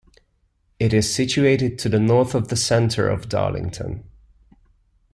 It is situated to the north of the centre of Darlington.